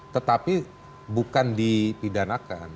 tetapi bukan dipidanakan